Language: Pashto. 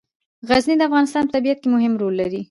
غزني د افغانستان په طبیعت کې مهم رول لري.